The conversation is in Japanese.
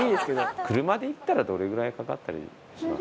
車で行ったらどれぐらいかかったりしますか？